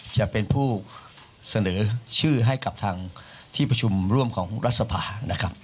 จะเป็นผู้เสนอชื่อให้กับทางที่ประชุมร่วมของรัฐสภานะครับ